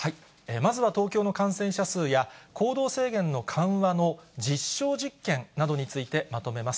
まずは東京の感染者数や、行動制限の緩和の実証実験などについてまとめます。